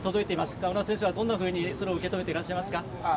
川村選手はどんなふうに、それを受け止めてらっしゃいますか。